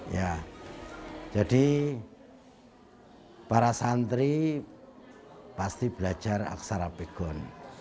ya jadi para santri pasti belajar aksara pegon